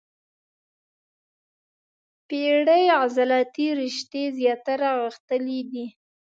پېړې عضلاتي رشتې زیاتره غښتلي دي.